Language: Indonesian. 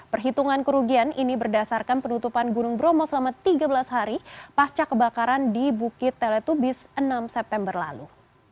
perhitungan kerugian ini berdasarkan penutupan gunung bromo selama tiga belas hari pasca kebakaran di bukit teletubis enam september lalu